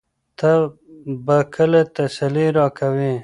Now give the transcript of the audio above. ته به کله تسلي راکوې؟